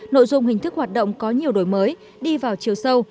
nội dung hình thức hoạt động có nhiều đổi mới đi vào chiều sâu